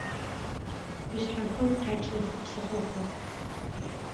Къушъхьэхэм къячъэхы псыхъохэр.